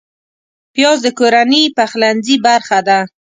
پیاز د کورنۍ پخلنځي برخه ده